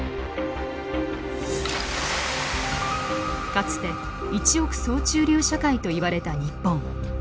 かつて一億総中流社会といわれた日本。